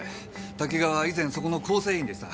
多岐川は以前そこの構成員でした。